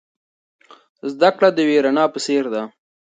زده کړه د یوې رڼا په څیر ده.